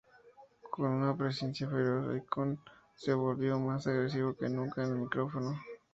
Con una presencia feroz, Ikon se volvió más agresivo que nunca en el micrófono.